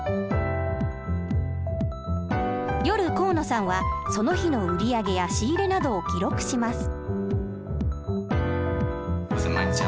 夜河野さんはその日の売り上げや仕入れなどを記録します。